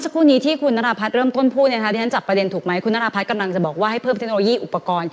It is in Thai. คุณนารพัทรกำลังจะบอกว่าให้เพิ่มเทคโนโลยีอุปกรณ์